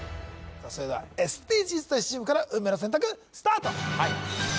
それではＳＤＧｓ大使チームから運命の選択スタート